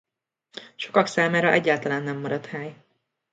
Sokak számára egyáltalán nem maradt hely.